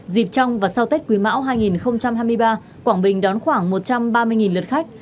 dịp trong và sau tết quý mão hai nghìn hai mươi ba quảng bình đón khoảng một trăm ba mươi lượt khách